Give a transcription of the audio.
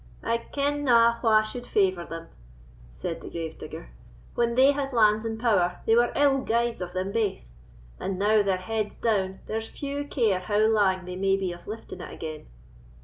"I kenna wha should favour them," said the grave digger; "when they had lands and power, they were ill guides of them baith, and now their head's down, there's few care how lang they may be of lifting it again."